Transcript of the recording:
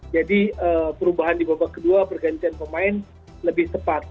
jadi perubahan di babak kedua pergantian pemain lebih cepat